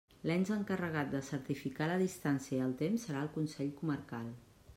L'ens encarregat de certificar la distància i el temps serà el Consell Comarcal.